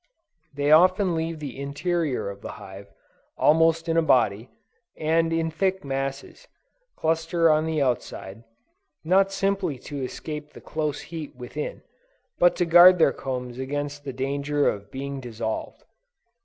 They often leave the interior of the hive, almost in a body, and in thick masses, cluster on the outside, not simply to escape the close heat within, but to guard their combs against the danger of being dissolved.